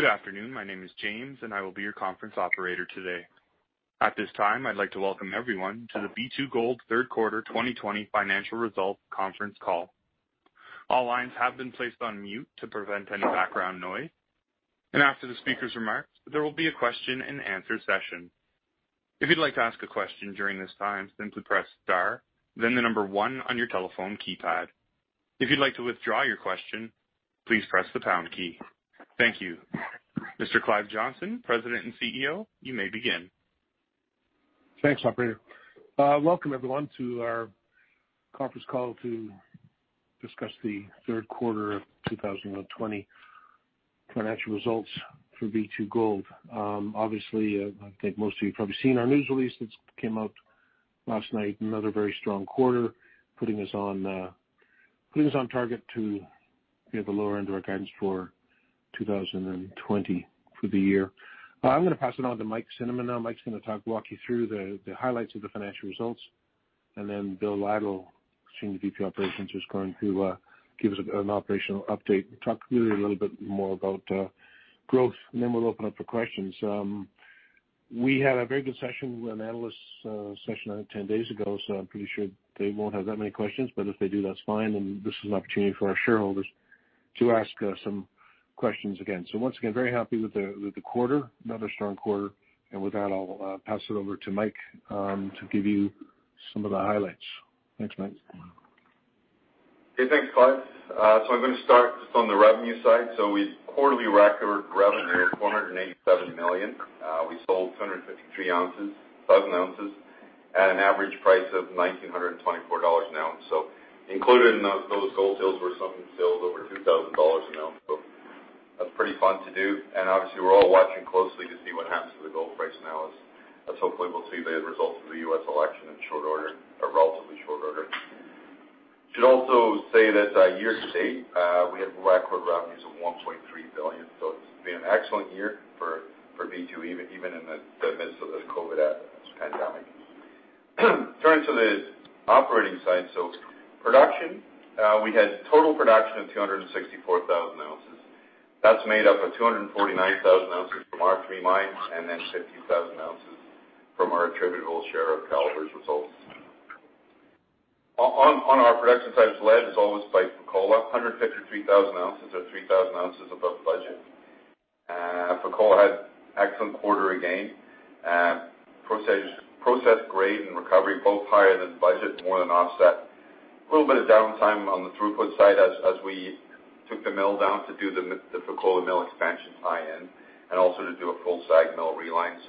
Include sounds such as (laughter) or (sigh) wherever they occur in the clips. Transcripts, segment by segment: Good afternoon. My name is James, and I will be your conference operator today. At this time, I'd like to welcome everyone to the B2Gold Third Quarter 2020 Financial Results Conference Call. All lines have been placed on mute to prevent any background noise. After the speaker's remarks, there will be a question and answer session. If you'd like to ask a question during this time, simply press star, then the number one on your telephone keypad. If you'd like to withdraw your question, please press the pound key. Thank you. Mr. Clive Johnson, President and CEO, you may begin. Thanks, operator. Welcome, everyone, to our conference call to discuss the third quarter of 2020 financial results for B2Gold. Obviously, I think most of you have probably seen our news release that came out last night. Another very strong quarter putting us on target to the lower end of our guidance for 2020 for the year. I'm going to pass it on to Mike Cinnamond now. Mike's going to walk you through the highlights of the financial results, and then Bill Lytle, Senior Vice President, Operations, is going to give us an operational update and talk to you a little bit more about growth, and then we'll open up for questions. We had a very good session with an analyst session 10 days ago. I'm pretty sure they won't have that many questions, but if they do, that's fine. This is an opportunity for our shareholders to ask some questions again. Once again, very happy with the quarter, another strong quarter. With that, I'll pass it over to Mike to give you some of the highlights. Thanks, Mike. Hey, thanks, Clive. I'm going to start just on the revenue side. We quarterly record revenue of $487 million. We sold 253,000 ounces at an average price of $1,924 an ounce. Included in those gold sales were some sales over $2,000 an ounce. That's pretty fun to do. Obviously, we're all watching closely to see what happens to the gold price now as hopefully we'll see the results of the U.S. election in short order or relatively short order. Should also say that year to date, we have record revenues of $1.3 billion. It's been an excellent year for B2 even in the midst of this COVID pandemic. Turning to the operating side. Production, we had total production of 264,000 ounces. That's made up of 249,000 ounces from our three mines and then 15,000 ounces from our attributable share of Calibre's results. On our production side, led as always by Fekola, 153,000 ounces or 3,000 ounces above budget. Fekola had excellent quarter again. Process grade and recovery, both higher than budget, more than offset a little bit of downtime on the throughput side as we took the mill down to do the Fekola mill expansion tie-in and also to do a full SAG mill reline.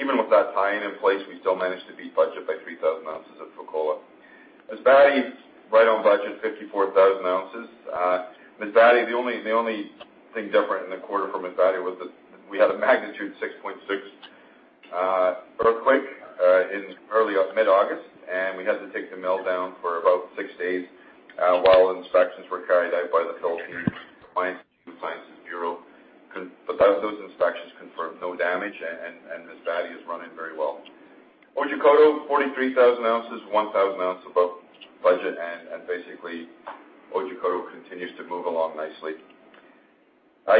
Even with that tie-in in place, we still managed to beat budget by 3,000 ounces at Fekola. Masbate is right on budget, 54,000 ounces. Masbate, the only thing different in the quarter from Masbate was that we had a magnitude 6.6 earthquake in mid-August, and we had to take the mill down for about six days while inspections were carried out by the Philippine Mines and Geosciences Bureau. Those inspections confirmed no damage, and Masbate is running very well. Otjikoto, 43,000 ounces, 1,000 ounces above budget. Basically, Otjikoto continues to move along nicely.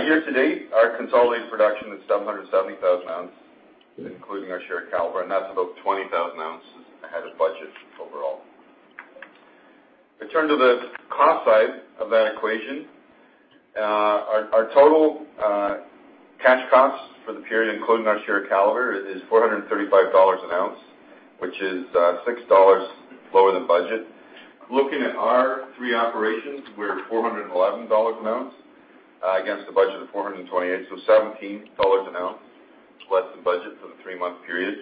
Year to date, our consolidated production is 770,000 ounces, including our share at Calibre. That's about 20,000 ounces ahead of budget overall. We turn to the cost side of that equation. Our total cash costs for the period, including our share of Calibre, is $435 an ounce, which is $6 lower than budget. Looking at our three operations, we're at $411 an ounce against a budget of $428. $17 an ounce less than budget for the three-month period.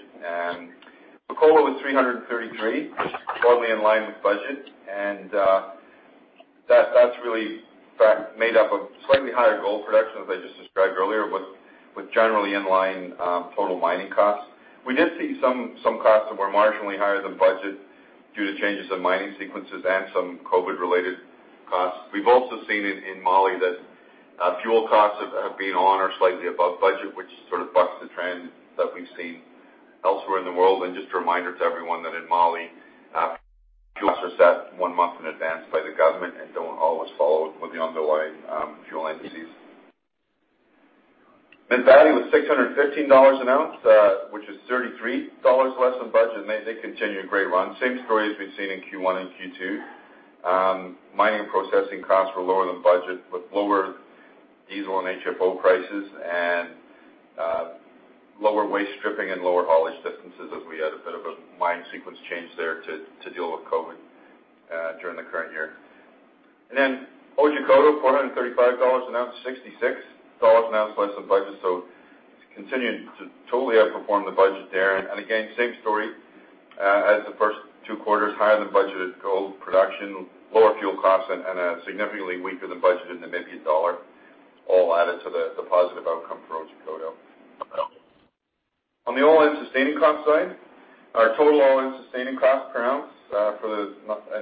Fekola was $333, broadly in line with budget. That's really made up of slightly higher gold production, as I just described earlier, with generally in line total mining costs. We did see some costs that were marginally higher than budget due to changes in mining sequences and some COVID related costs. We've also seen in Mali that fuel costs have been on or slightly above budget, which sort of bucks the trend that we've seen elsewhere in the world. Just a reminder to everyone that in Mali, fuels are set one month in advance by the government and don't always follow with the underlying fuel indices. Masbate was $615 an ounce which is $33 less than budget. They continue a great run. Same story as we've seen in Q1 and Q2. Mining and processing costs were lower than budget, with lower diesel and HFO prices and lower waste stripping and lower haulage distances as we had a bit of a mine sequence change there to deal with COVID during the current year. Otjikoto, $435 an ounce, $66 an ounce less than budget. It's continuing to totally outperform the budget there. Again, same story as the first two quarters, higher than budgeted gold production, lower fuel costs, and a significantly weaker than budgeted Namibian dollar all added to the positive outcome for Otjikoto. On the all-in sustaining cost side, our total all-in sustaining cost per ounce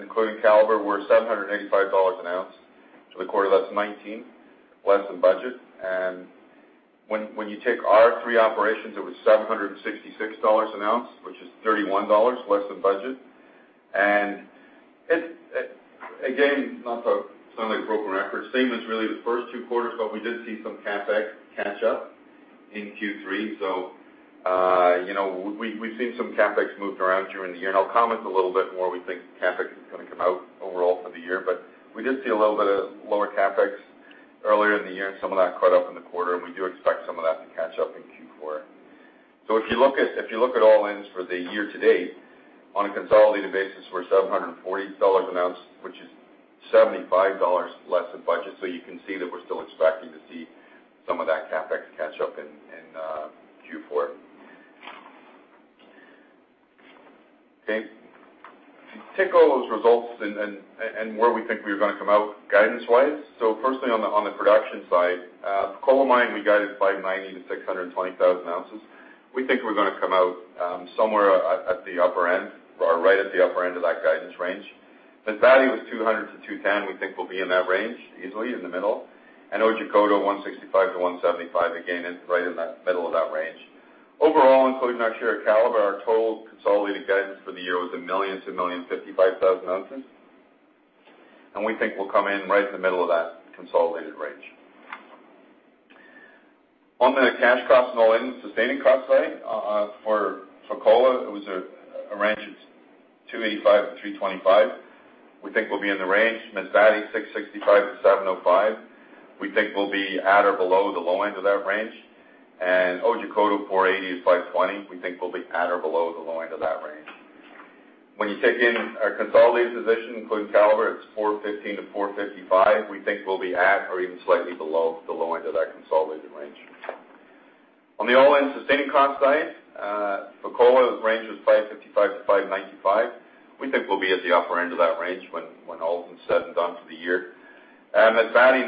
including Calibre, were $785 an ounce for the quarter. That's $19 less than budget. When you take our three operations, it was $766 an ounce, which is $31 less than budget. Again, not to sound like a broken record, same as really the first two quarters, but we did see some CapEx catch up in Q3. We've seen some CapEx moving around during the year, and I'll comment a little bit more, we think CapEx is going to come out overall for the year. We did see a little bit of lower CapEx earlier in the year, and some of that caught up in the quarter, and we do expect some of that to catch up in Q4. If you look at all-ins for the year to date on a consolidated basis, we're $740 an ounce, which is $75 less than budget. You can see that we're still expecting to see some of that CapEx catch up in Q4. Okay. Take all those results and where we think we were going to come out guidance wise. Firstly, on the production side, Fekola mine, we guided 590,000 ounces-620,000 ounces. We think we're going to come out somewhere at the upper end or right at the upper end of that guidance range. Masbate was 200,000-210,000 ounces. We think we'll be in that range easily in the middle. Otjikoto 165,000-175,000 ounces. Again, it's right in that middle of that range. Overall, including our share at Calibre, our total consolidated guidance for the year was 1 million to 1,055,000 ounces, and we think we'll come in right in the middle of that consolidated range. On the cash costs and all-in sustaining cost side, for Fekola, it was a range of $285-$325. We think we'll be in the range. Masbate, $665-$705, we think we'll be at or below the low end of that range. Otjikoto, $480-$520, we think we'll be at or below the low end of that range. When you take in our consolidated position, including Calibre, it's $415-$455, we think we'll be at or even slightly below the low end of that consolidated range. On the all-in sustaining cost side, Fekola's range was $555-$595. We think we'll be at the upper end of that range when all is said and done for the year. Masbate,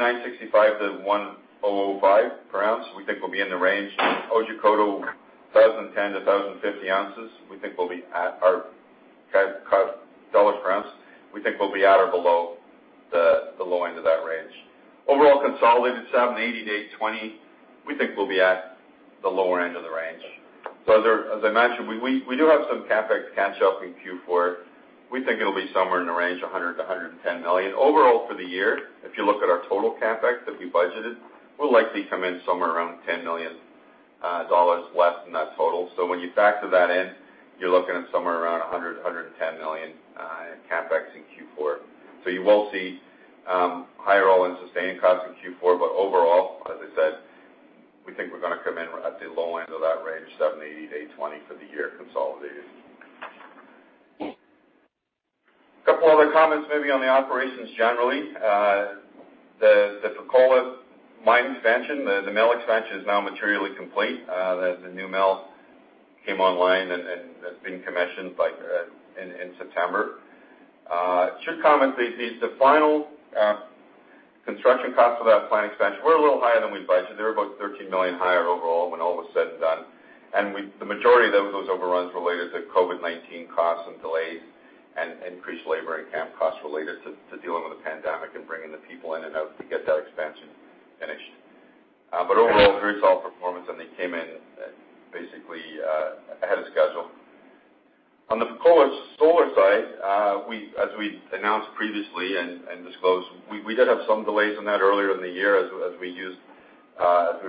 $965-$1,005 per ounce, we think we'll be in the range. Otjikoto, $1,010-$1,050 ounces, we think we'll be at or below the low end of that range. Overall consolidated $780-$820, we think we'll be at the lower end of the range. As I mentioned, we do have some CapEx to catch up in Q4. We think it'll be somewhere in the range of $100 million-$110 million. Overall for the year, if you look at our total CapEx that we budgeted, we'll likely come in somewhere around $10 million less than that total. When you factor that in, you're looking at somewhere around $100 million-$110 million in CapEx in Q4. You will see higher all-in sustaining costs in Q4. Overall, as I said, we think we're going to come in at the low end of that range, $780-$820 for the year consolidated. A couple other comments maybe on the operations generally. The Fekola mine expansion, the mill expansion is now materially complete. The new mill came online and has been commissioned in September. I should comment, the final construction cost of that plant expansion were a little higher than we budgeted. They were about $13 million higher overall when all was said and done, and the majority of those overruns related to COVID-19 costs and delays and increased labor and camp costs related to dealing with the pandemic and bringing the people in and out to get that expansion finished. Overall, very solid performance and they came in basically ahead of schedule. On the Fekola solar side, as we announced previously and disclosed, we did have some delays on that earlier in the year as we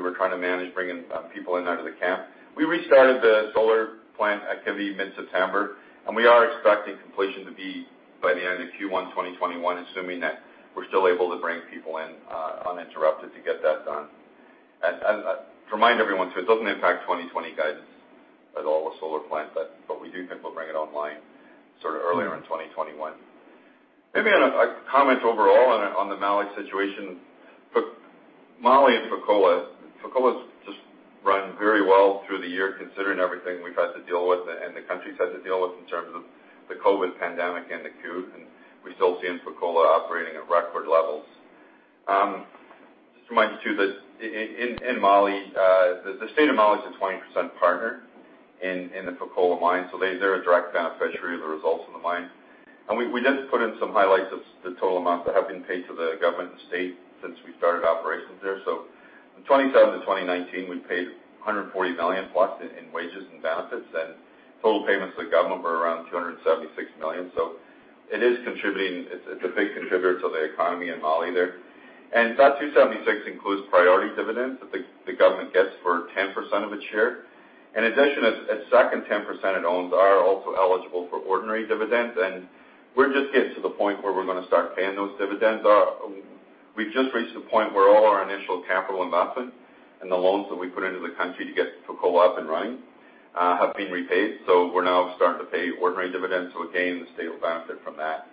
were trying to manage bringing people in and out of the camp. We restarted the Solar Plant activity mid-September, and we are expecting completion to be by the end of Q1 2021, assuming that we're still able to bring people in uninterrupted to get that done. To remind everyone, too, it doesn't impact 2020 guidance at all with Solar Plant, but we do think we'll bring it online sort of earlier in 2021. Maybe a comment overall on the Mali situation. Mali and Fekola. Fekola's just run very well through the year, considering everything we've had to deal with and the country's had to deal with in terms of the COVID pandemic and the coup, and we're still seeing Fekola operating at record levels. Just to remind you, too, that in Mali, the state of Mali is a 20% partner in the Fekola mine. They're a direct beneficiary of the results in the mine. We did put in some highlights of the total amounts that have been paid to the government and state since we started operations there. From 2017 to 2019, we paid $140 million plus in wages and benefits. Total payments to the government were around $276 million. It's a big contributor to the economy in Mali there. That $276 includes priority dividends that the government gets for 10% of its share. In addition, a second 10% it owns are also eligible for ordinary dividends. We're just getting to the point where we're going to start paying those dividends. We've just reached the point where all our initial capital investment and the loans that we put into the country to get Fekola up and running have been repaid. We're now starting to pay ordinary dividends. Again, the state will benefit from that.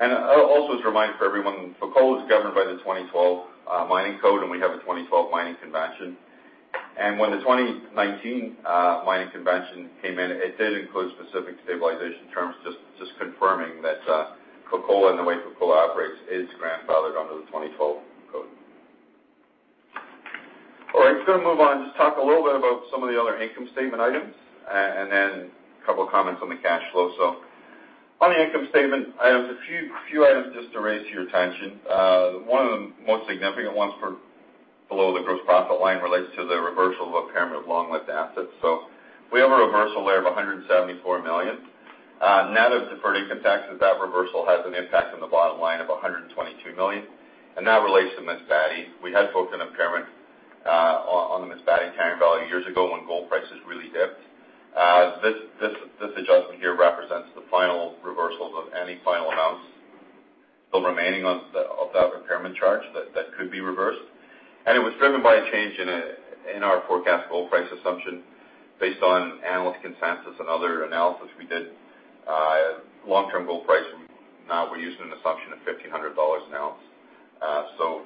Also, just a reminder for everyone, Fekola is governed by the 2012 Mining Code, and we have a 2012 mining convention. When the 2019 mining convention came in, it did include specific stabilization terms, just confirming that Fekola and the way Fekola operates is grandfathered under the 2012 code. All right, just going to move on, just talk a little bit about some of the other income statement items and then a couple of comments on the cash flow. On the income statement items, a few items just to raise your attention. One of the most significant ones below the gross profit line relates to the reversal of impairment of long-lived assets. We have a reversal there of $174 million. Net of deferred income taxes, that reversal has an impact on the bottom line of $122 million, and that relates to Masbate. We had booked an impairment on the Masbate carrying value years ago when gold prices really dipped. This adjustment here represents the final reversals of any final amounts still remaining of that impairment charge that could be reversed. It was driven by a change in our forecast gold price assumption based on analyst consensus and other analysis we did. Long-term gold price, now we're using an assumption of $1,500 an ounce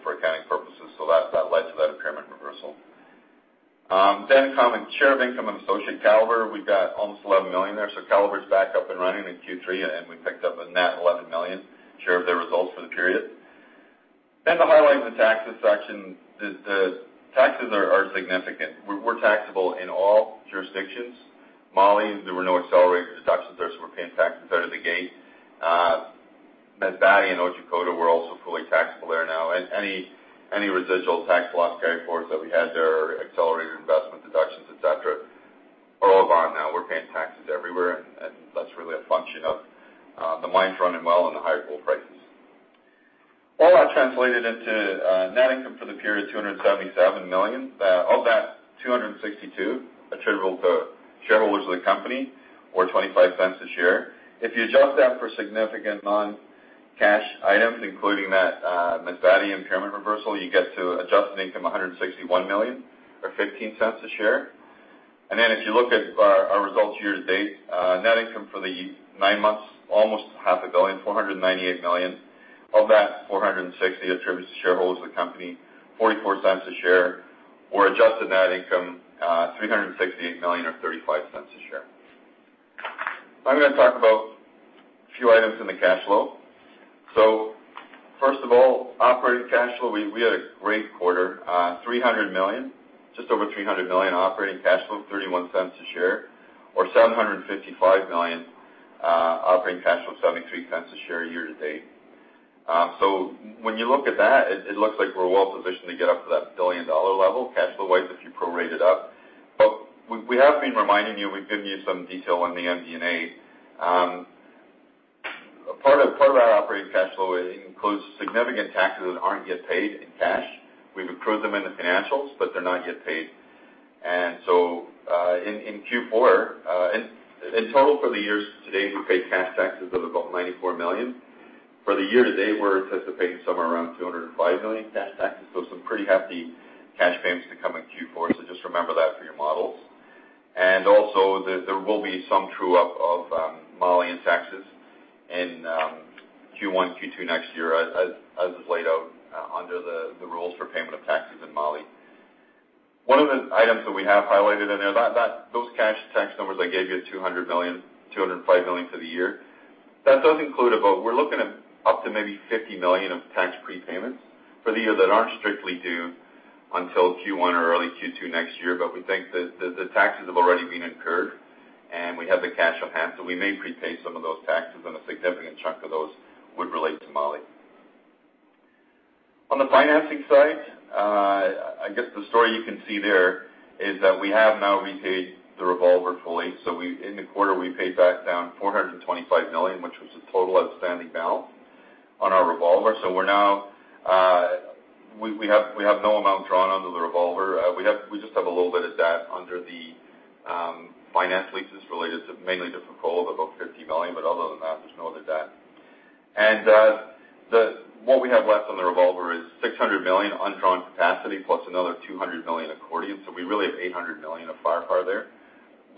for accounting purposes. That led to that impairment reversal. Share of income and associate Calibre, we've got almost $11 million there. Calibre's back up and running in Q3, and we picked up a net $11 million share of their results for the period. To highlight the taxes section, the taxes are significant. We're taxable in all jurisdictions. Mali, there were no accelerated deductions there, so we're paying taxes out of the gate. Masbate and Otjikoto, we're also fully taxable there now. Any residual tax loss carryforwards that we had there, or accelerated investment deductions, et cetera, are all gone now. We're paying taxes everywhere, and that's really a function of the mines running well and the higher gold prices. All that translated into net income for the period, $277 million. Of that, $262 attributable to shareholders of the company or $0.25 a share. If you adjust that for significant non-cash items, including that Masbate impairment reversal, you get to adjusted income $161 million or $0.15 a share. If you look at our results year to date, net income for the nine months, almost half a billion, $498 million. Of that, $460 million attributed to shareholders of the company, $0.44 a share, or adjusted net income, $368 million or $0.35 a share. I'm going to talk about a few items in the cash flow. First of all, operating cash flow. We had a great quarter, just over $300 million operating cash flow, $0.31 a share, or $755 million operating cash flow, $0.73 a share year to date. When you look at that, it looks like we're well positioned to get up to that billion-dollar level cash flow-wise, if you prorate it up. We have been reminding you, we've given you some detail on the MD&A. Part of our operating cash flow includes significant taxes that aren't yet paid in cash. We've accrued them in the financials, but they're not yet paid. In Q4, in total for the years to date, we paid cash taxes of about $94 million. For the year to date, we're anticipating somewhere around $205 million cash taxes, some pretty hefty cash payments to come in Q4. Just remember that for your models. There will be some true-up of Malian taxes in Q1, Q2 next year, as is laid out under the rules for payment of taxes in Mali. One of the items that we have highlighted in there, those cash tax numbers I gave you, $205 million for the year, that does include about, we're looking at up to maybe $50 million of tax prepayments for the year that aren't strictly due until Q1 or early Q2 next year. We think that the taxes have already been incurred, and we have the cash on hand, so we may prepay some of those taxes, and a significant chunk of those would relate to Mali. On the financing side, I guess the story you can see there is that we have now repaid the revolver fully. In the quarter, we paid back down $425 million, which was the total outstanding balance on our revolver. We have no amount drawn under the revolver. We just have a little bit of debt under the finance leases related mainly to Fekola of about $50 million. Other than that, there's no other debt. What we have left on the revolver is $600 million undrawn capacity, plus another $200 million accordion. We really have $800 million of firepower there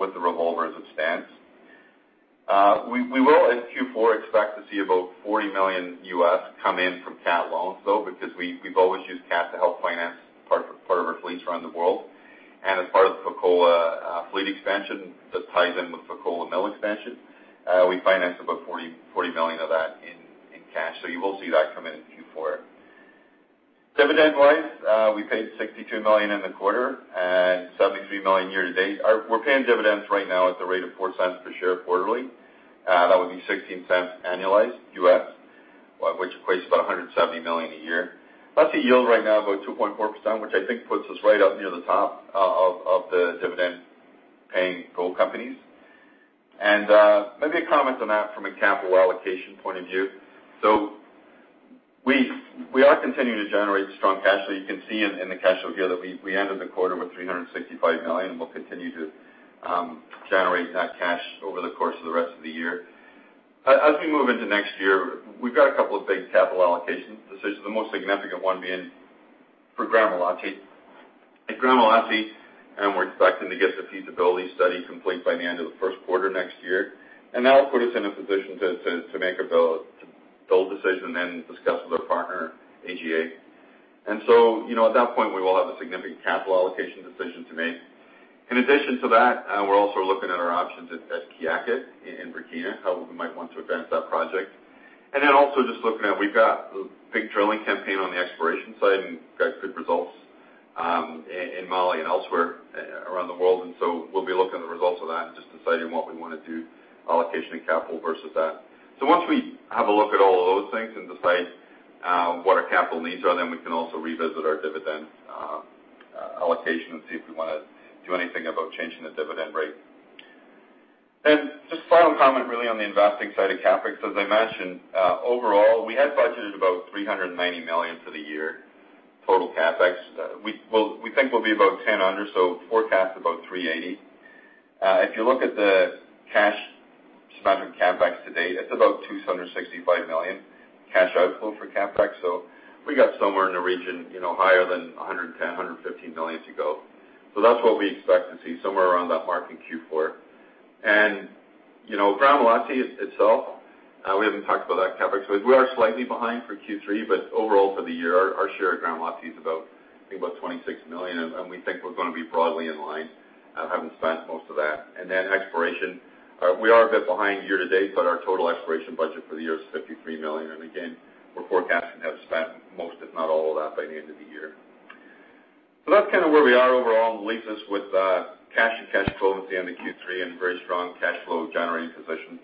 with the revolver as it stands. We will, in Q4, expect to see about $40 million come in from CAT loans, though, because we've always used CAT to help finance part of our fleets around the world. As part of the Fekola fleet expansion that ties in with Fekola mill expansion, we financed about $40 million of that in cash. You will see that come in in Q4. Dividend-wise, we paid $62 million in the quarter and $73 million year to date. We're paying dividends right now at the rate of $0.04 per share quarterly. That would be $0.16 annualized U.S., which equates to about $170 million a year. That's a yield right now of about 2.4%, which I think puts us right up near the top of the dividend-paying gold companies. Maybe a comment on that from a capital allocation point of view. We are continuing to generate strong cash flow. You can see in the cash flow here that we ended the quarter with $365 million, and we'll continue to generate that cash over the course of the rest of the year. As we move into next year, we've got a couple of big capital allocation decisions, the most significant one being for Gramalote. At Gramalote, we're expecting to get the feasibility study complete by the end of the first quarter next year. That'll put us in a position to make a build decision and discuss with our partner, AGA. At that point, we will have a significant capital allocation decision to make. In addition to that, we're also looking at our options at Kiaka in Burkina, how we might want to advance that project. Also just looking at, we've got a big drilling campaign on the exploration side and got good results in Mali and elsewhere around the world. We'll be looking at the results of that and just deciding what we want to do, allocation of capital versus that. Once we have a look at all of those things and decide what our capital needs are, we can also revisit our dividend allocation and see if we want to do anything about changing the dividend rate. Just final comment, really, on the investing side of CapEx, as I mentioned, overall, we had budgeted about $390 million for the year, total CapEx. We think we'll be about $10 under, so forecast about $380. If you look at the cash spent on CapEx to date, it's about $265 million cash outflow for CapEx. We got somewhere in the region higher than $110 million, $115 million to go. That's what we expect to see, somewhere around that mark in Q4. Gramalote itself, we haven't talked about that CapEx. We are slightly behind for Q3, but overall for the year, our share at Gramalote's about, I think about $26 million, and we think we're going to be broadly in line, having spent most of that. Exploration. We are a bit behind year to date, but our total exploration budget for the year is $53 million. Again, we're forecasting to have spent most, if not all, of that by the end of the year. That's kind of where we are overall, and that leaves us with cash and cash equivalents at the end of Q3 and very strong cash flow generating position.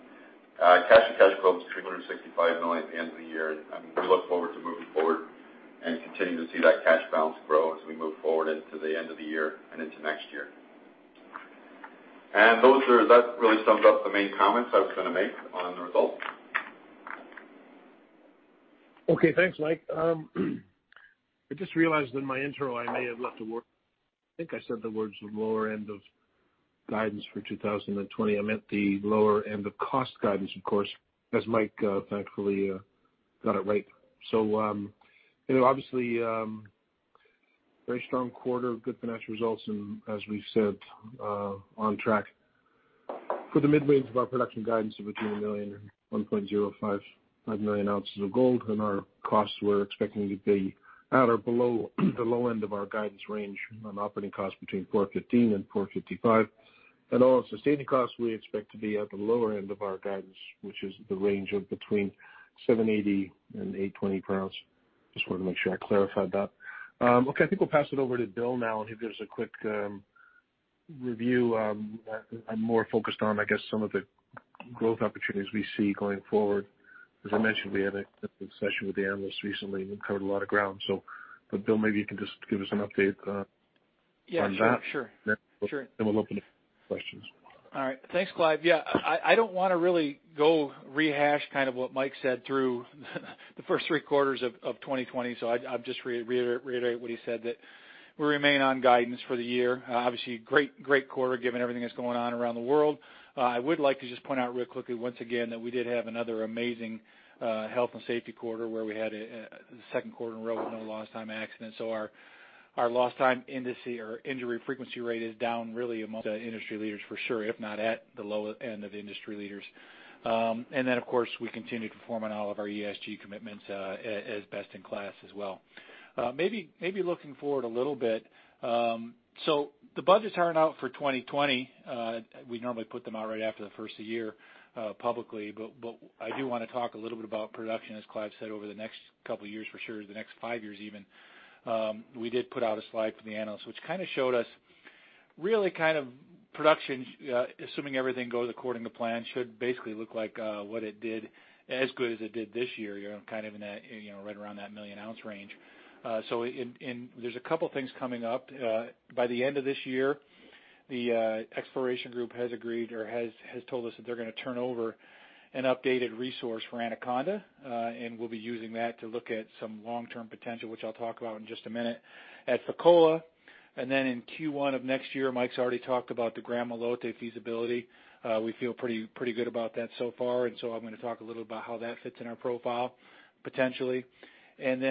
Cash and cash equivalent is $365 million at the end of the year, and we look forward to moving forward and continuing to see that cash balance grow as we move forward into the end of the year and into next year. That really sums up the main comments I was going to make on the results. Okay. Thanks, Mike. I just realized in my intro, I may have left a word I think I said the words lower end of guidance for 2020. I meant the lower end of cost guidance, of course, as Mike thankfully got it right. Obviously, very strong quarter, good financial results, and as we've said, on track for the mid-range of our production guidance of between 1 million and 1.05 million ounces of gold. Our costs, we're expecting to be at or below the low end of our guidance range on operating costs between $415 and $455. All-in sustaining costs, we expect to be at the lower end of our guidance, which is the range of between $780 and $820 per ounce. Just wanted to make sure I clarified that. Okay, I think we'll pass it over to Bill now. He gives a quick review, and more focused on, I guess, some of the growth opportunities we see going forward. As I mentioned, we had a session with the analysts recently and covered a lot of ground. Bill, maybe you can just give us an update on that. Yeah, sure. We'll open to questions. All right. Thanks, Clive. I don't want to really go rehash what Mike said through the first three quarters of 2020. I'll just reiterate what he said, that we remain on guidance for the year. Obviously, great quarter, given everything that's going on around the world. I would like to just point out real quickly once again, that we did have another amazing health and safety quarter where we had a second quarter in a row with no lost time accidents. Our lost time injury frequency rate is down really amongst the industry leaders for sure, if not at the low end of the industry leaders. Of course, we continue to perform on all of our ESG commitments as best in class as well. Maybe looking forward a little bit. The budgets aren't out for 2020. We normally put them out right after the first of the year publicly, but I do want to talk a little bit about production, as Clive said, over the next couple of years for sure, the next five years even. We did put out a slide for the analysts, which kind of showed us really production, assuming everything goes according to plan, should basically look like what it did as good as it did this year, kind of in that right around that million ounce range. There's a couple of things coming up. By the end of this year, the exploration group has agreed or has told us that they're going to turn over an updated resource for Anaconda. We'll be using that to look at some long-term potential, which I'll talk about in just a minute. At Fekola. In Q1 of next year, Mike's already talked about the Gramalote feasibility. We feel pretty good about that so far, I'm going to talk a little about how that fits in our profile potentially. At the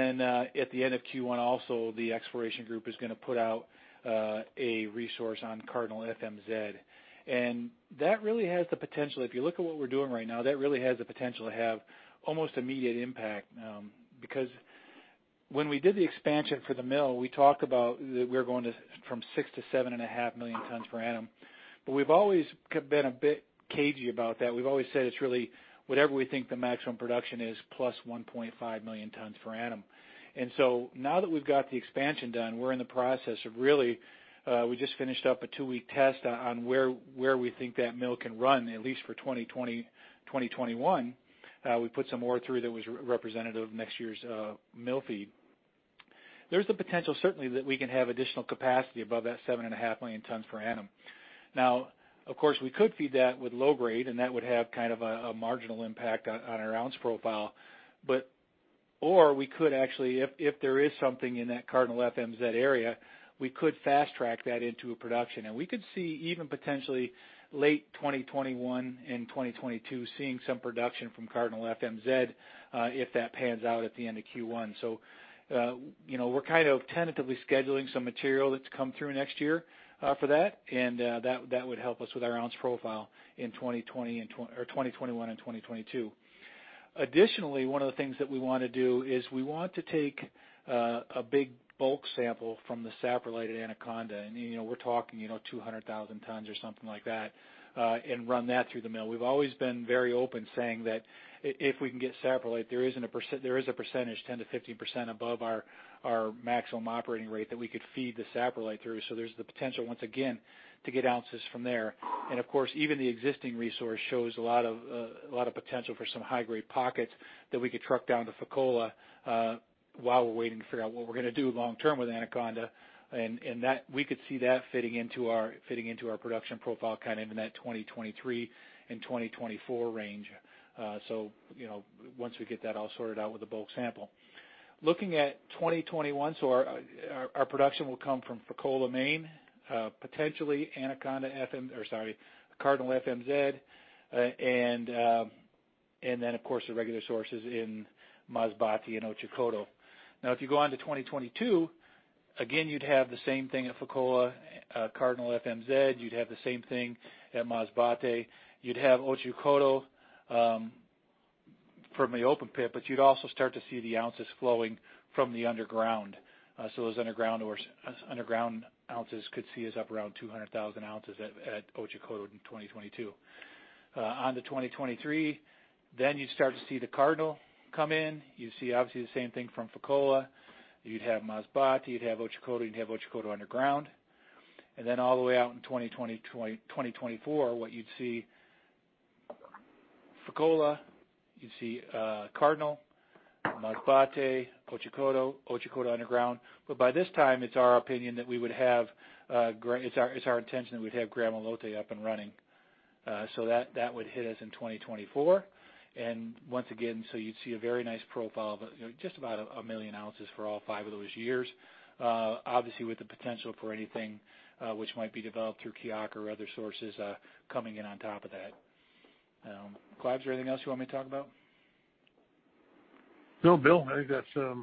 end of Q1 also, the exploration group is going to put out a resource on Cardinal and FMZ. That really has the potential, if you look at what we're doing right now, that really has the potential to have almost immediate impact, because when we did the expansion for the mill, we talked about that we're going to from 6 million to 7.5 million tons per annum. We've always been a bit cagey about that. We've always said it's really whatever we think the maximum production is plus 1.5 million tons per annum. Now that we've got the expansion done, we just finished up a two-week test on where we think that mill can run, at least for 2021. We put some ore through that was representative of next year's mill feed. There's the potential, certainly, that we can have additional capacity above that 7.5 million tons per annum. Of course, we could feed that with low grade, and that would have kind of a marginal impact on our ounce profile. We could actually, if there is something in that Cardinal FMZ area, we could fast-track that into a production. We could see even potentially late 2021 and 2022 seeing some production from Cardinal FMZ, if that pans out at the end of Q1. We're kind of tentatively scheduling some material that's come through next year for that, and that would help us with our ounce profile in 2021 and 2022. Additionally, one of the things that we want to do is we want to take a big bulk sample from the saprolite at Anaconda, and we're talking 200,000 tons or something like that, and run that through the mill. We've always been very open, saying that if we can get saprolite, there is a percentage, 10%-15%, above our maximum operating rate that we could feed the saprolite through. There's the potential, once again, to get ounces from there. Of course, even the existing resource shows a lot of potential for some high-grade pockets that we could truck down to Fekola while we're waiting to figure out what we're going to do long term with Anaconda. We could see that fitting into our production profile, kind of into that 2023 and 2024 range. Once we get that all sorted out with a bulk sample. Looking at 2021, our production will come from Fekola main, potentially Cardinal FMZ, and then of course, the regular sources in Masbate and Otjikoto. If you go on to 2022, again, you'd have the same thing at Fekola, Cardinal FMZ. You'd have the same thing at Masbate. You'd have Otjikoto from the open pit, but you'd also start to see the ounces flowing from the underground. Those underground ounces could see us up around 200,000 ounces at Otjikoto in 2022. On to 2023, you'd start to see the Cardinal come in. You'd see, obviously, the same thing from Fekola. You'd have Masbate, you'd have Otjikoto, you'd have Otjikoto underground. Then all the way out in 2024, what you'd see, Fekola, you'd see Cardinal, Masbate, Otjikoto underground. By this time, it's our intention that we'd have Gramalote up and running. That would hit us in 2024. Once again, you'd see a very nice profile of just about a million ounces for all five of those years. Obviously, with the potential for anything which might be developed through Kiaka or other sources coming in on top of that. Clive, is there anything else you want me to talk about? No, Bill, I think that's a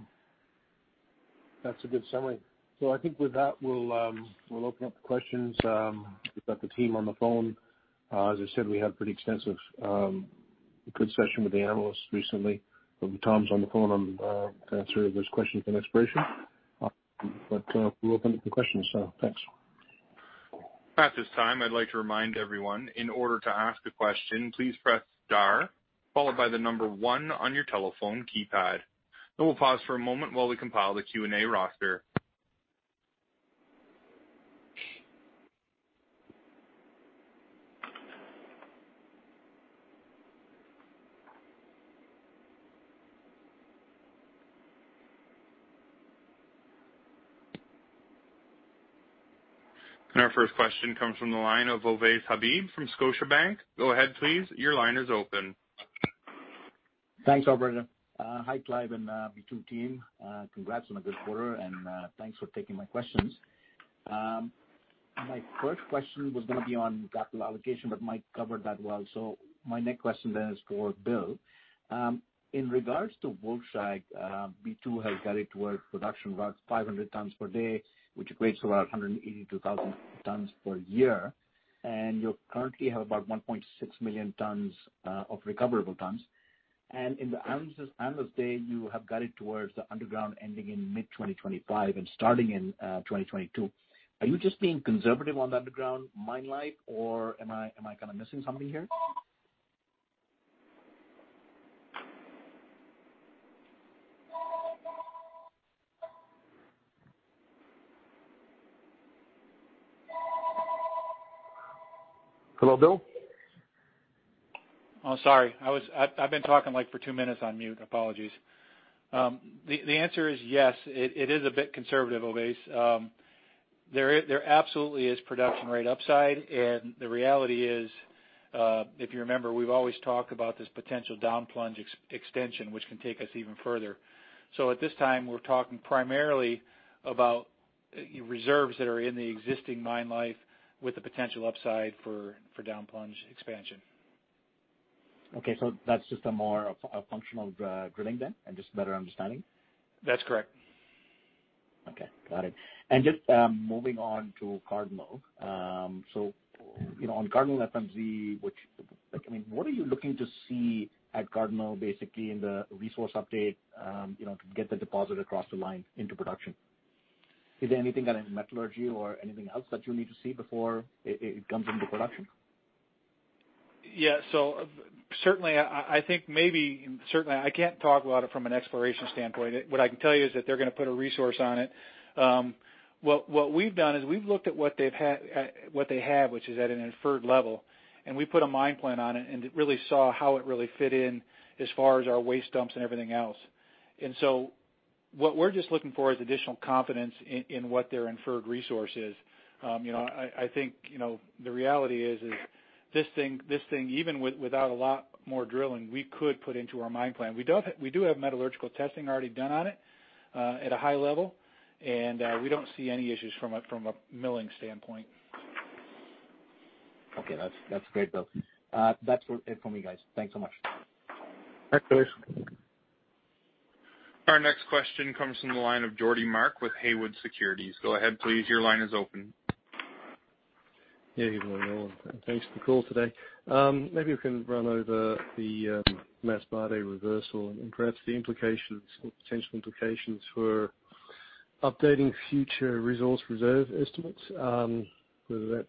good summary. I think with that, we'll open up the questions. We've got the team on the phone. As I said, we had a pretty extensive, good session with the analysts recently. Tom's on the phone to answer those questions on exploration. We're open to questions, thanks. At this time, I'd like to remind everyone, in order to ask a question, please press star, followed by the number one on your telephone keypad. We'll pause for a moment while we compile the Q&A roster. Our first question comes from the line of Ovais Habib from Scotiabank. Go ahead, please. Your line is open. Thanks, operator. Hi, Clive and B2 team. Congrats on a good quarter, and thanks for taking my questions. My first question was going to be on capital allocation, but Mike covered that well. My next question then is for Bill. In regards to Wolfshag, B2 has guided towards production about 500 tons per day, which equates to about 182,000 tons per year. You currently have about 1.6 million tons of recoverable tons. In the Analyst Day, you have guided towards the underground ending in mid 2025 and starting in 2022. Are you just being conservative on the underground mine life, or am I missing something here? Hello, Bill? Oh, sorry. I've been talking for two minutes on mute. Apologies. The answer is yes, it is a bit conservative, Ovais. There absolutely is production rate upside. The reality is, if you remember, we've always talked about this potential down plunge extension, which can take us even further. At this time, we're talking primarily about reserves that are in the existing mine life with the potential upside for down plunge expansion. Okay, that's just a more functional drilling then, and just better understanding? That's correct. Okay, got it. Just moving on to Cardinal. On Cardinal FMZ, what are you looking to see at Cardinal, basically, in the resource update to get the deposit across the line into production? Is there anything, any metallurgy or anything else that you need to see before it comes into production? Yeah. Certainly, I can't talk about it from an exploration standpoint. What I can tell you is that they're going to put a resource on it. What we've done is we've looked at what they have, which is at an inferred level, and we put a mine plan on it and really saw how it really fit in as far as our waste dumps and everything else. What we're just looking for is additional confidence in what their inferred resource is. I think the reality is, this thing, even without a lot more drilling, we could put into our mine plan. We do have metallurgical testing already done on it at a high level, and we don't see any issues from a milling standpoint. Okay. That's great, Bill. That's it from me, guys. Thanks so much. Thanks, Ovais. Our next question comes from the line of Geordie Mark with Haywood Securities. Go ahead, please. Your line is open. Yeah. Good morning, all, and thanks for the call today. Maybe we can run over the Masbate reversal and perhaps the implications or potential implications for updating future resource reserve estimates, whether that's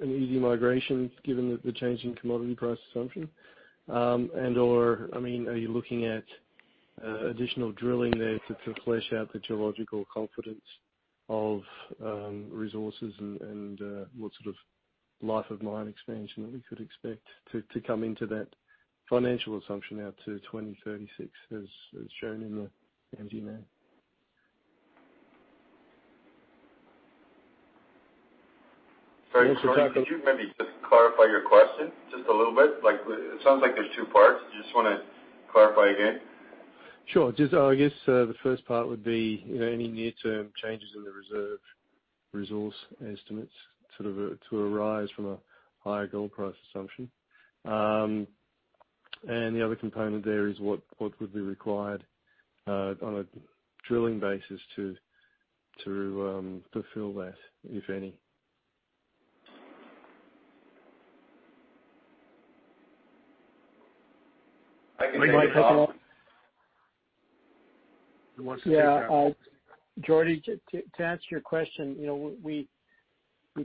an easy migration given the changing commodity price assumption. Are you looking at additional drilling there to flesh out the geological confidence of resources, and what sort of life of mine expansion that we could expect to come into that financial assumption out to 2036 as shown in the MD&A? Sorry, Geordie, could you maybe just clarify your question just a little bit? It sounds like there's two parts. Do you just want to clarify again? Sure. I guess the first part would be any near-term changes in the reserve resource estimates to arise from a higher gold price assumption. The other component there is what would be required on a drilling basis to fulfill that, if any. I can take that. Who wants to take that? Yeah. Geordie, to answer your question, we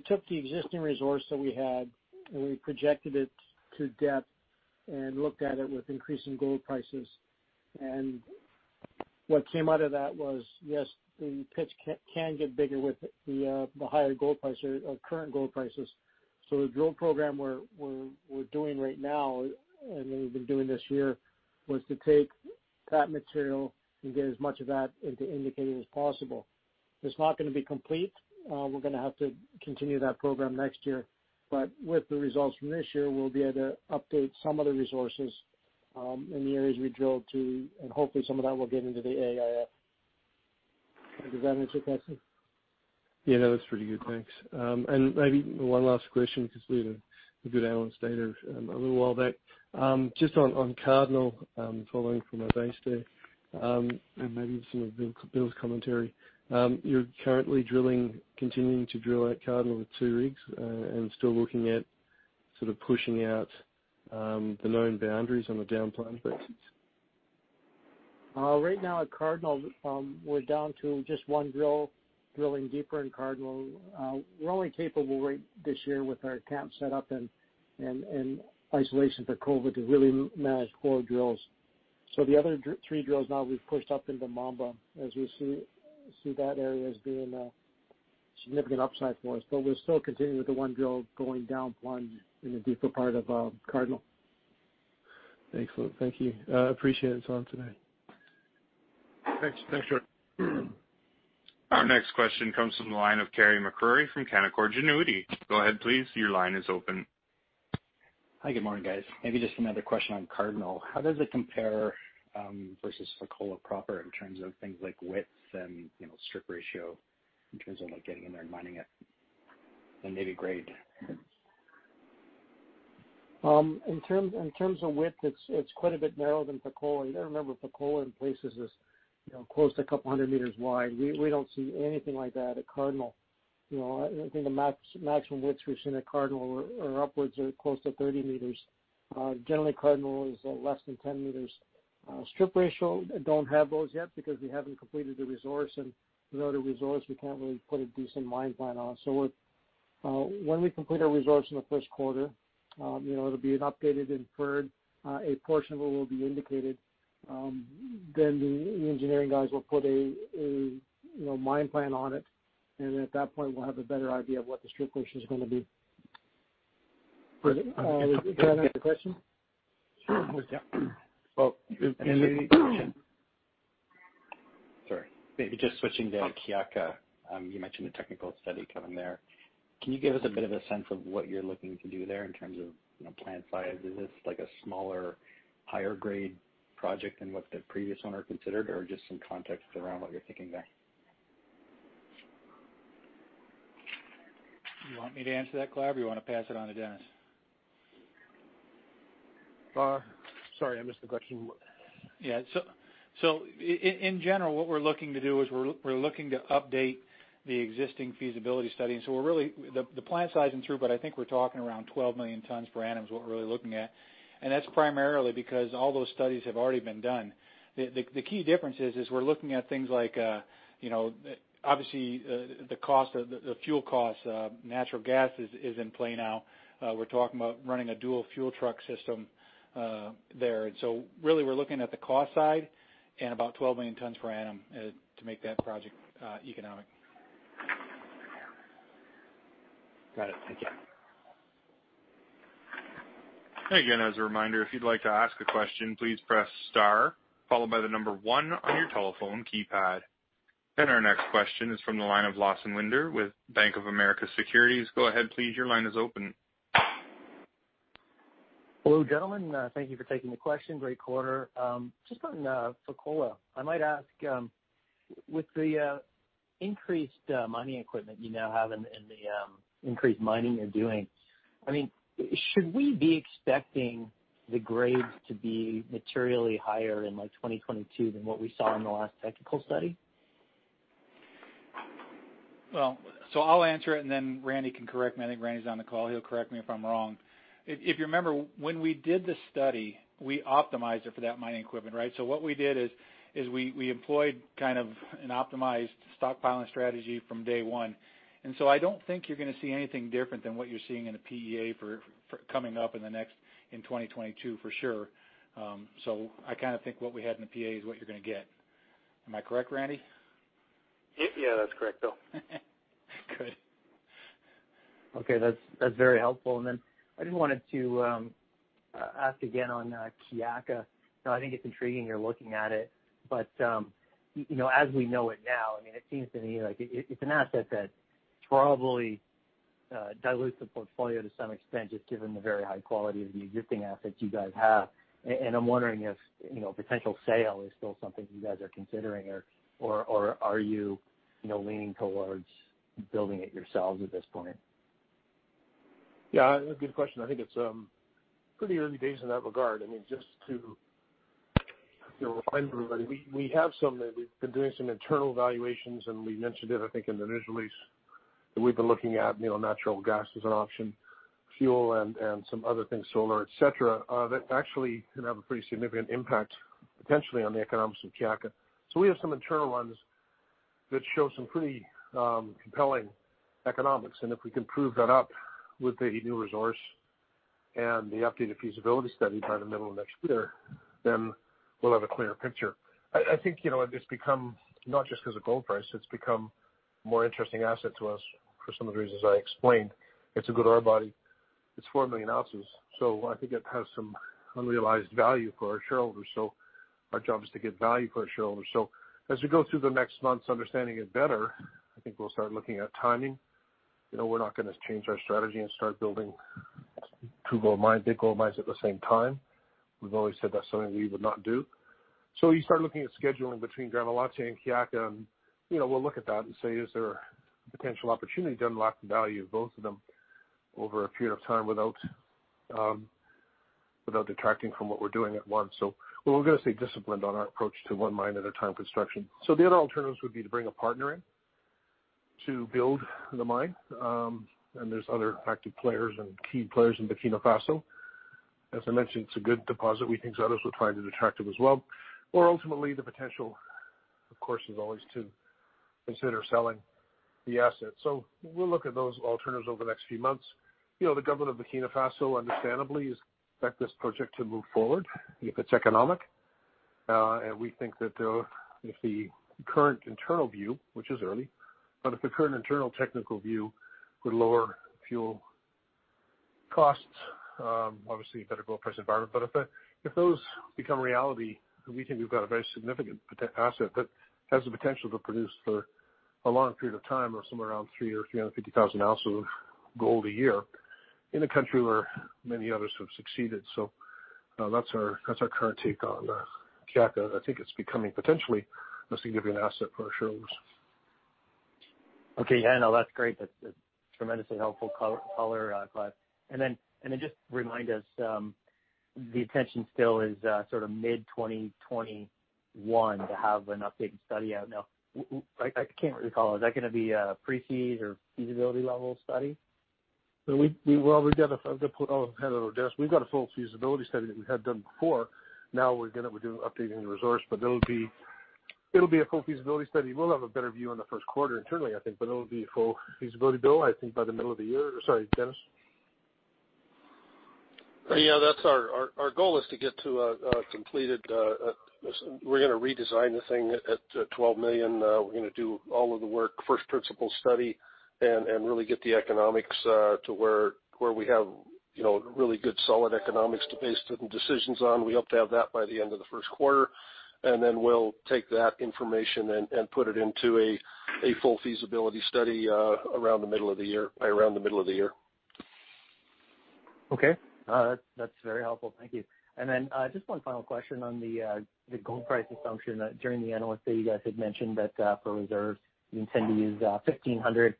took the existing resource that we had, and we projected it to depth and looked at it with increasing gold prices. What came out of that was, yes, the pits can get bigger with the higher gold price or current gold prices. The drill program we're doing right now, and that we've been doing this year, was to take that material and get as much of that into indicated as possible. It's not going to be complete. We're going to have to continue that program next year. With the results from this year, we'll be able to update some of the resources in the areas we drilled to, and hopefully, some of that will get into the AISC. Does that answer your question? Yeah. That's pretty good. Thanks. Maybe one last question, because we had a good hour stay there a little while back. Just on Cardinal, following from our base there, and maybe some of Bill's commentary. You're currently continuing to drill at Cardinal with two rigs, and still looking at pushing out the known boundaries on the downtime basis? Right now at Cardinal, we're down to just one drill, drilling deeper in Cardinal. We're only capable right this year with our camp set up and isolation for COVID to really manage four drills. The other three drills now we've pushed up into Mamba, as we see that area as being a significant upside for us. We're still continuing with the one drill going down plunge in the deeper part of Cardinal. Excellent. Thank you. Appreciate the time today. Thanks, Geordie. Our next question comes from the line of Carey MacRury from Canaccord Genuity. Go ahead, please. Your line is open. Hi, good morning, guys. Maybe just another question on Cardinal. How does it compare versus Fekola proper in terms of things like width and strip ratio, in terms of getting in there and mining it, and maybe grade? In terms of width, it's quite a bit narrower than Fekola. You got to remember, Fekola in places is close to 200 meters wide. We don't see anything like that at Cardinal. I think the maximum widths we've seen at Cardinal are upwards or close to 30 meters. Generally, Cardinal is less than 10 meters. Strip ratio, don't have those yet because we haven't completed the resource. Without a resource, we can't really put a decent mine plan on. When we complete our resource in the first quarter, it'll be an updated inferred. A portion of it will be indicated. The engineering guys will put a mine plan on it. At that point, we'll have a better idea of what the strip ratio is going to be. (crosstalk) Sure. Yeah. Well, and maybe- Sorry. Maybe just switching to Kiaka. You mentioned the technical study coming there. Can you give us a bit of a sense of what you're looking to do there in terms of plant size? Is this like a smaller, higher grade project than what the previous owner considered, or just some context around what you're thinking there? You want me to answer that, Clive, or you want to pass it on to Dennis? Sorry, I missed the question. Yeah. In general, what we're looking to do is we're looking to update the existing feasibility study. The plant size isn't through, but I think we're talking around 12 million tons per annum is what we're really looking at. That's primarily because all those studies have already been done. The key difference is we're looking at things like, obviously, the fuel cost. Natural gas is in play now. We're talking about running a dual fuel truck system there. Really, we're looking at the cost side and about 12 million tons per annum to make that project economic. Got it. Thank you. Again, as a reminder, if you'd like to ask a question, please press star followed by the number one on your telephone keypad. Our next question is from the line of Lawson Winder with Bank of America Securities. Go ahead, please. Your line is open. Hello, gentlemen. Thank you for taking the question. Great quarter. Just on Fekola, I might ask, with the increased mining equipment you now have and the increased mining you're doing. Should we be expecting the grades to be materially higher in 2022 than what we saw in the last technical study? I'll answer it and then Randy can correct me. I think Randy's on the call. He'll correct me if I'm wrong. If you remember, when we did the study, we optimized it for that mining equipment. Right? What we did is we employed an optimized stockpiling strategy from day one. I don't think you're going to see anything different than what you're seeing in a PEA coming up in 2022 for sure. I think what we had in the PEA is what you're going to get. Am I correct, Randy? Yeah. That's correct, Bill. Good. Okay. That's very helpful. Then I just wanted to ask again on Kiaka. I think it's intriguing you're looking at it. As we know it now, it seems to me like it's an asset that probably dilutes the portfolio to some extent, just given the very high quality of the existing assets you guys have. I'm wondering if a potential sale is still something you guys are considering, or are you leaning towards building it yourselves at this point? Yeah, good question. I think it's pretty early days in that regard. Just to remind everybody, we have been doing some internal valuations, and we mentioned it, I think, in the news release, that we've been looking at natural gas as an option, fuel, and some other things, solar, et cetera, that actually can have a pretty significant impact, potentially, on the economics of Kiaka. We have some internal ones that show some pretty compelling economics, and if we can prove that up with the new resource and the updated feasibility study by the middle of next year, then we'll have a clearer picture. I think it's become, not just because of gold price, it's become a more interesting asset to us for some of the reasons I explained. It's a good ore body. It's 4 million ounces. I think it has some unrealized value for our shareholders. Our job is to get value for our shareholders. As we go through the next months understanding it better, I think we'll start looking at timing. We're not going to change our strategy and start building two gold mines, big gold mines at the same time. We've always said that's something we would not do. You start looking at scheduling between Gramalote and Kiaka, and we'll look at that and say, is there a potential opportunity to unlock the value of both of them over a period of time without detracting from what we're doing at once? We're going to stay disciplined on our approach to one mine at a time construction. The other alternatives would be to bring a partner in to build the mine. There's other active players and key players in Burkina Faso. As I mentioned, it's a good deposit. We think others will find it attractive as well. Ultimately, the potential, of course, is always to consider selling the asset. We'll look at those alternatives over the next few months. The government of Burkina Faso, understandably, expect this project to move forward if it's economic. We think that if the current internal view, which is early, but if the current internal technical view could lower fuel costs, obviously a better gold price environment. If those become reality, we think we've got a very significant asset that has the potential to produce for a long period of time, or somewhere around 300,000 or 350,000 ounces of gold a year in a country where many others have succeeded. That's our current take on Kiaka. I think it's becoming potentially a significant asset for our shareholders. Okay. Yeah, no, that's great. That's tremendously helpful color. Just remind us, the intention still is mid-2021 to have an updated study out. Now, I can't recall. Is that going to be a pre-feas or feasibility level study? Well, we've got a full feasibility study that we had done before. Now we're doing updating the resource. It'll be a full feasibility study. We'll have a better view in the first quarter internally, I think, but it'll be full feasibility, Bill, I think by the middle of the year. Sorry, Dennis? Yeah. Our goal is to get to a completed We're going to redesign the thing at 12 million. We're going to do all of the work, first principle study, and really get the economics to where we have really good, solid economics to base certain decisions on. We hope to have that by the end of the first quarter. We'll take that information and put it into a full feasibility study by around the middle of the year. Okay. That's very helpful. Thank you. Then just one final question on the gold price assumption. During the Analyst Day, you guys had mentioned that for reserves, you intend to use $1,500.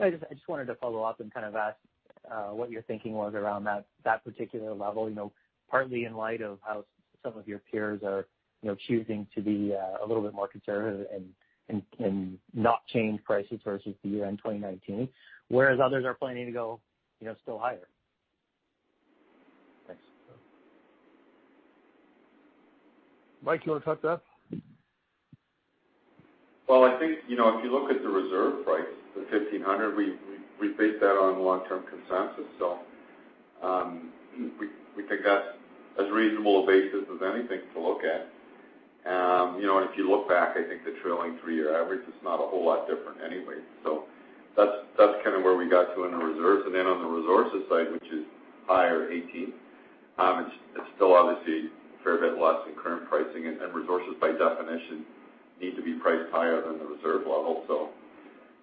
I just wanted to follow up and ask what your thinking was around that particular level, partly in light of how some of your peers are choosing to be a little bit more conservative and not change prices versus the year-end 2019, whereas others are planning to go still higher. Thanks. Mike, you want to talk to that? Well, I think, if you look at the reserve price, the $1,500, we based that on long-term consensus. We think that's as reasonable a basis as anything to look at. If you look back, I think the trailing three-year average is not a whole lot different anyway. That's where we got to in the reserves. Then on the resources side, which is higher, $1,800, it's still obviously a fair bit less than current pricing, and resources, by definition, need to be priced higher than the reserve level.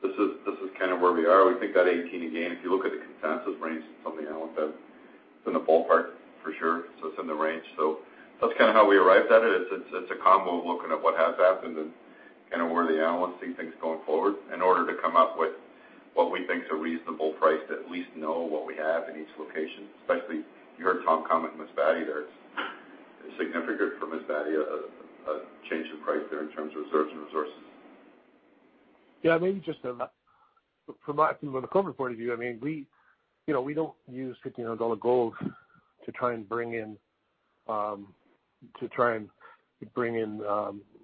This is where we are. We think that $1,800, again, if you look at the consensus range from somebody like that. It's in the ballpark, for sure. It's in the range. That's how we arrived at it. It's a combo of looking at what has happened and where the analysts see things going forward in order to come up with what we think is a reasonable price to at least know what we have in each location, especially, you heard Tom comment on Masbate there. It's significant for Masbate, a change in price there in terms of reserves and resources. Maybe just from a corporate point of view, we don't use $1,500 gold to try and bring in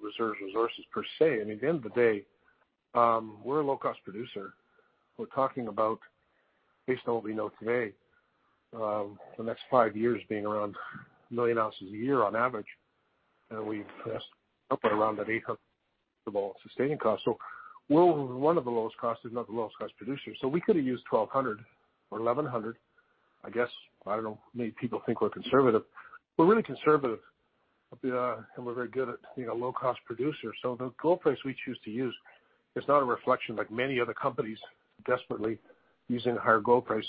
reserves resources per se. At the end of the day, we're a low-cost producer. We're talking about, based on what we know today, the next five years being around 1 million ounces a year on average. We've pressed up around about sustainable sustaining costs. We're one of the lowest cost, if not the lowest cost producer. We could've used $1,200 or $1,100, I guess. I don't know. Many people think we're conservative. We're really conservative, and we're very good at being a low-cost producer. The gold price we choose to use is not a reflection, like many other companies desperately using a higher gold price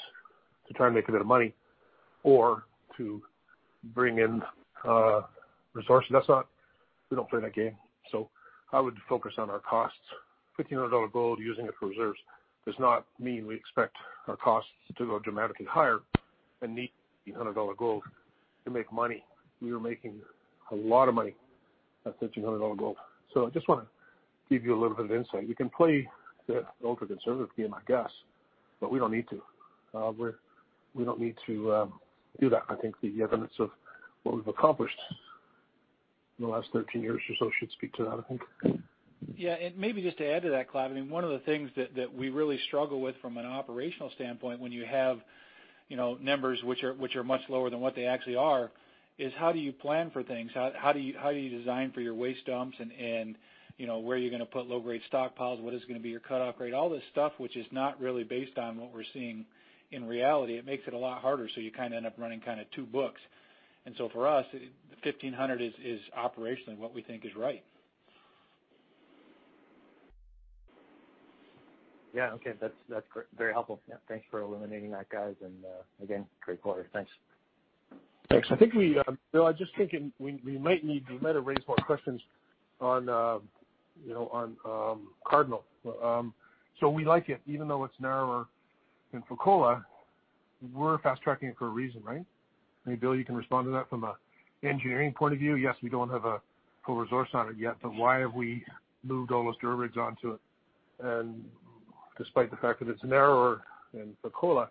to try and make a bit of money or to bring in resources. We don't play that game. I would focus on our costs. $1,500 gold, using it for reserves does not mean we expect our costs to go dramatically higher and need $1,500 gold to make money. We were making a lot of money at $1,300 gold. I just want to give you a little bit of insight. We can play the ultra-conservative game, I guess, but we don't need to. We don't need to do that. I think the evidence of what we've accomplished in the last 13 years or so should speak to that, I think. Yeah, and maybe just to add to that, Clive, one of the things that we really struggle with from an operational standpoint when you have numbers which are much lower than what they actually are, is how do you plan for things? How do you design for your waste dumps and where you're going to put low-grade stockpiles? What is going to be your cut-off grade? All this stuff, which is not really based on what we're seeing in reality, it makes it a lot harder. You end up running two books. For us, $1,500 is operationally what we think is right. Okay. That's very helpful. Thanks for illuminating that, guys. Again, great quarter. Thanks. Thanks. Bill, I'm just thinking we might need to raise more questions on Cardinal. We like it, even though it's narrower than Fekola, we're fast-tracking it for a reason, right? Maybe Bill, you can respond to that from an engineering point of view. Yes, we don't have a full resource on it yet, why have we moved all those drill rigs onto it? Despite the fact that it's narrower than Fekola,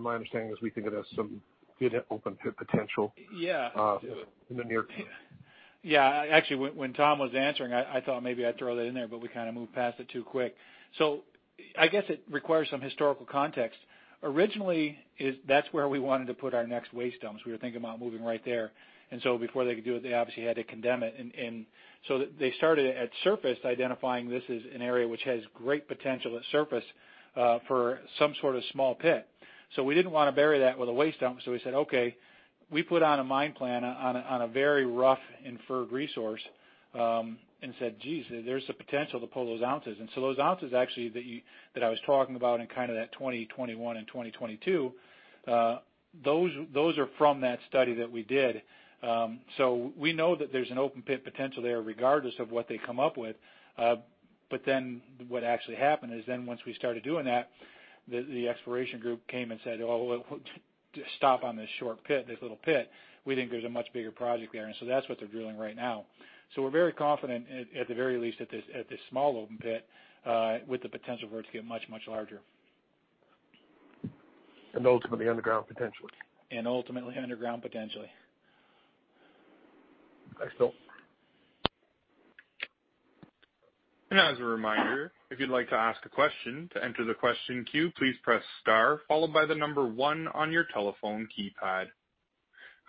my understanding is we think it has some good open-pit potential. Yeah. In the near term. Yeah, actually, when Tom was answering, I thought maybe I'd throw that in there, but we moved past it too quick. I guess it requires some historical context. Originally, that's where we wanted to put our next waste dumps. We were thinking about moving right there. Before they could do it, they obviously had to condemn it. They started at surface identifying this as an area which has great potential at surface, for some sort of small pit. We didn't want to bury that with a waste dump. We said, "Okay." We put on a mine plan on a very rough inferred resource, and said, "Jeez, there's the potential to pull those ounces." Those ounces actually that I was talking about in that 2021 and 2022, those are from that study that we did. We know that there's an open pit potential there regardless of what they come up with. What actually happened is then once we started doing that, the exploration group came and said, "Oh, well, just stop on this short pit, this little pit. We think there's a much bigger project there." That's what they're drilling right now. We're very confident, at the very least, at this small open pit, with the potential for it to get much, much larger. Ultimately underground, potentially. Ultimately underground, potentially. Thanks, Bill. As a reminder, if you'd like to ask a question, to enter the question queue, please press star followed by the number one on your telephone keypad.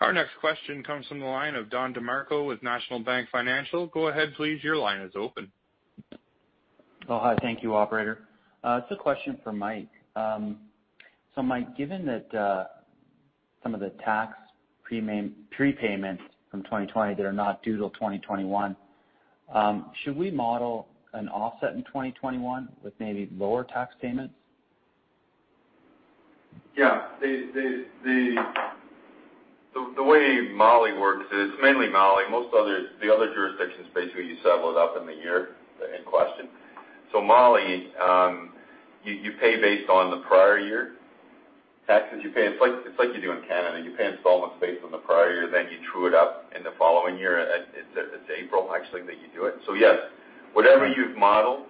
Our next question comes from the line of Don DeMarco with National Bank Financial. Go ahead, please. Your line is open. Oh, hi. Thank you, operator. It's a question for Mike. Mike, given that some of the tax prepayments from 2020 that are not due till 2021, should we model an offset in 2021 with maybe lower tax payments? Yeah. The way Mali works is, mainly Mali, the other jurisdictions basically you settle it up in the year in question. Mali, you pay based on the prior year taxes you pay. It's like you do in Canada. You pay installments based on the prior year, you true it up in the following year. It's April, actually, that you do it. Yes. Whatever you've modeled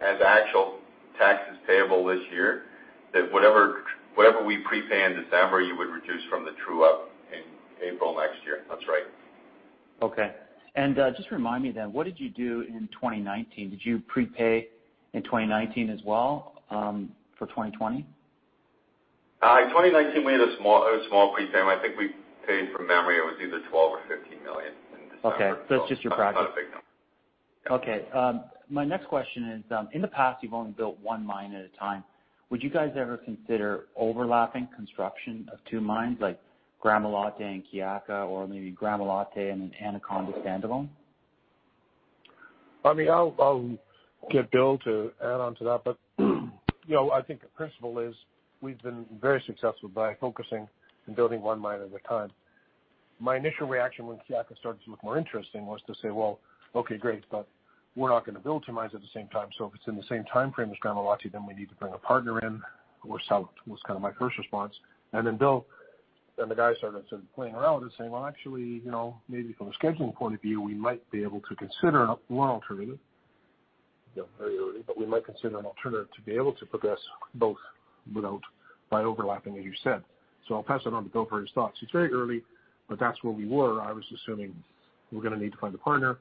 as actual taxes payable this year, whatever we prepay in December, you would reduce from the true-up in April next year. That's right. Okay. Just remind me then, what did you do in 2019? Did you prepay in 2019 as well, for 2020? In 2019, we had a small prepayment. I think we paid, from memory, it was either $12 million or $15 million in December. Okay. It's just your practice. Not a big number. Okay. My next question is, in the past you've only built one mine at a time. Would you guys ever consider overlapping construction of two mines like Gramalote and Kiaka, or maybe Gramalote and then Anaconda standalone? I'll get Bill to add onto that. I think the principle is we've been very successful by focusing and building one mine at a time. My initial reaction when Kiaka started to look more interesting was to say, "Well, okay, great, we're not going to build two mines at the same time. If it's in the same timeframe as Gramalote, then we need to bring a partner in or sell." Was my first response. Bill, then the guys started playing around and saying, "Well, actually, maybe from a scheduling point of view, we might be able to consider an alternative." Very early, we might consider an alternative to be able to progress both without by overlapping, as you said. I'll pass it on to Bill for his thoughts. It's very early, that's where we were. I was assuming we're going to need to find a partner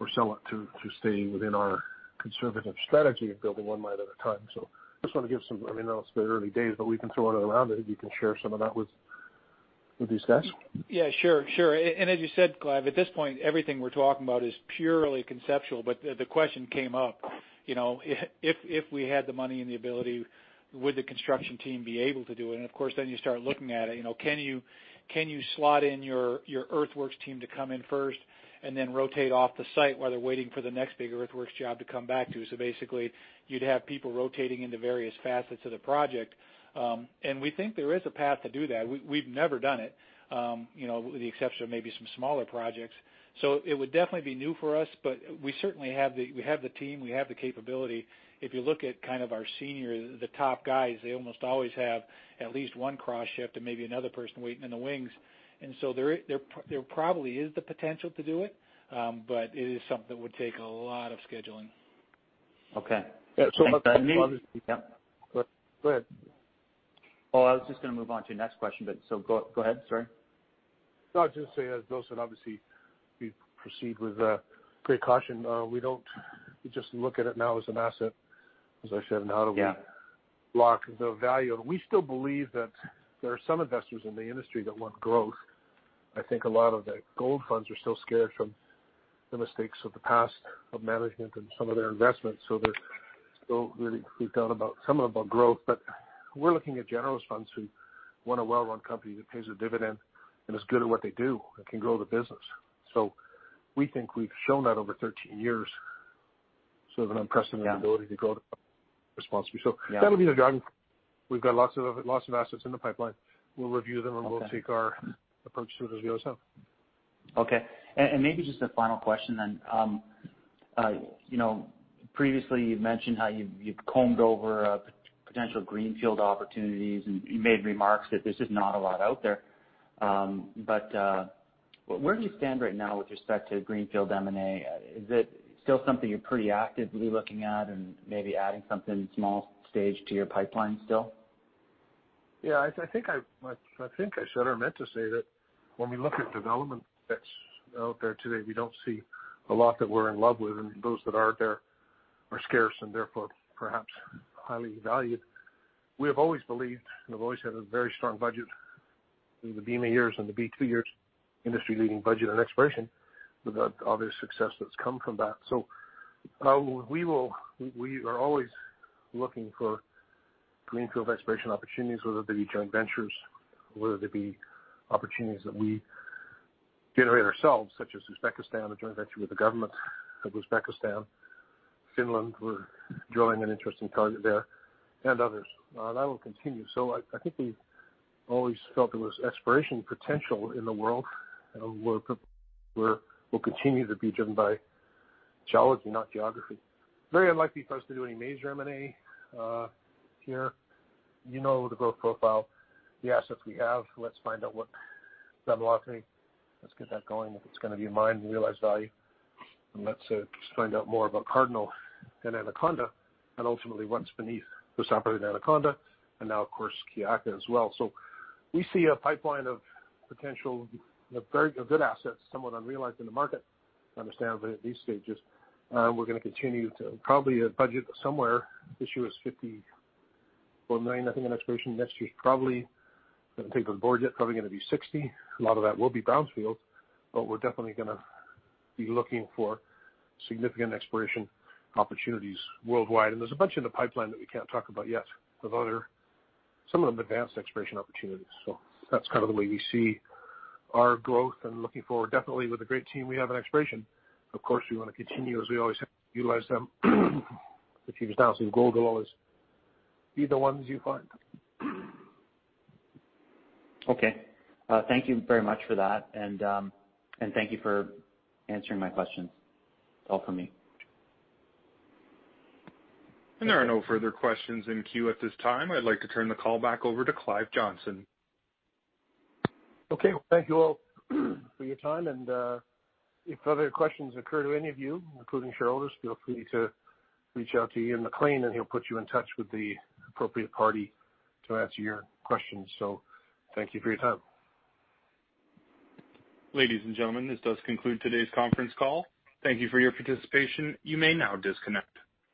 or sell it to stay within our conservative strategy of building one mine at a time. I know it's the early days, but we can throw it around and maybe you can share some of that with these guys. Yeah, sure. As you said, Clive, at this point, everything we're talking about is purely conceptual. The question came up, if we had the money and the ability, would the construction team be able to do it? Of course, then you start looking at it, can you slot in your earthworks team to come in first and then rotate off the site while they're waiting for the next big earthworks job to come back to? Basically, you'd have people rotating into various facets of the project. We think there is a path to do that. We've never done it, with the exception of maybe some smaller projects. It would definitely be new for us, but we certainly have the team, we have the capability. If you look at our senior, the top guys, they almost always have at least one cross shift and maybe another person waiting in the wings. There probably is the potential to do it. It is something that would take a lot of scheduling. Okay. Yeah. And then- Go ahead. Oh, I was just going to move on to the next question, but so go ahead. Sorry. No, I was just going to say, as Bill said, obviously, we proceed with precaution. We just look at it now as an asset, as I said. Yeah. Lock the value. We still believe that there are some investors in the industry that want growth. I think a lot of the gold funds are still scared from the mistakes of the past of management and some of their investments. They're still really freaked out about, some about growth. We're looking at generalists funds who want a well-run company that pays a dividend and is good at what they do and can grow the business. We think we've shown that over 13 years. We have an unprecedented ability to grow responsibly. That'll be the driving. We've got lots of assets in the pipeline. We'll review them and we'll take our approach to it as we go. Okay. Maybe just a final question then. Previously, you've mentioned how you've combed over potential greenfield opportunities, and you made remarks that there's just not a lot out there. Where do you stand right now with respect to greenfield M&A? Is it still something you're pretty actively looking at and maybe adding something small stage to your pipeline still? Yeah, I think I said or meant to say that when we look at development that's out there today, we don't see a lot that we're in love with, and those that are there are scarce and therefore perhaps highly valued. We have always believed, and have always had a very strong budget through the Bema years and the B2 years, industry-leading budget and exploration with the obvious success that's come from that. We are always looking for greenfield exploration opportunities, whether they be joint ventures, whether they be opportunities that we generate ourselves, such as Uzbekistan, a joint venture with the government of Uzbekistan. Finland, we're drilling an interesting target there, and others. That will continue. I think we've always felt there was exploration potential in the world, and we'll continue to be driven by geology, not geography. Very unlikely for us to do any major M&A here. You know the growth profile, the assets we have. Let's find out what Gramalote, let's get that going if it's going to be a mine, realize value. Let's find out more about Cardinal and Anaconda, and ultimately what's beneath the saprolite and Anaconda, and now, of course, Kiaka as well. We see a pipeline of potential, of good assets, somewhat unrealized in the market understandably at these stages. We're going to continue to probably budget somewhere, this year was $54 million, I think, in exploration. Next year's probably, haven't taken to the board yet, probably going to be $60. A lot of that will be brownfield, but we're definitely going to be looking for significant exploration opportunities worldwide. There's a bunch in the pipeline that we can't talk about yet with other, some of them advanced exploration opportunities. That's the way we see our growth and looking forward, definitely with a great team we have in exploration. Of course, we want to continue, as we always have, to utilize them (audio distortion) gold will always be the ones you find. Okay. Thank you very much for that, and thank you for answering my questions. That's all for me. There are no further questions in queue at this time. I'd like to turn the call back over to Clive Johnson. Okay. Well, thank you all for your time, and if other questions occur to any of you, including shareholders, feel free to reach out to Ian MacLean, and he'll put you in touch with the appropriate party to answer your questions. Thank you for your time. Ladies and gentlemen, this does conclude today's conference call. Thank you for your participation. You may now disconnect.